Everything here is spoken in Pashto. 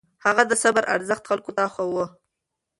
هغه د صبر ارزښت خلکو ته ښووه.